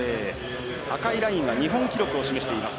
赤いラインが日本記録を示しています。